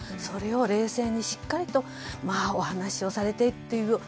それを冷静にしっかりとお話をされているという。